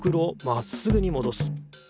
まっすぐにもどす。